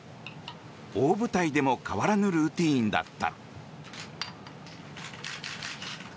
大舞台でも変わらぬルーチンだった。